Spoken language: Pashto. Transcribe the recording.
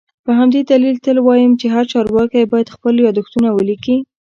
په همدې دلیل تل وایم چي هر چارواکی باید خپل یادښتونه ولیکي